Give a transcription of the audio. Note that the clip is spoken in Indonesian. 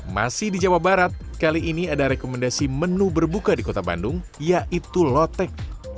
masih di jawa barat kali ini ada rekomendasi menu berbuka di kota bandung yaitu lotek